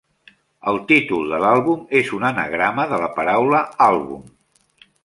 El títol de l'àlbum és un anagrama de la paraula 'àlbum'.